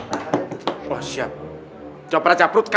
jadinya ini eduk spiritual book pria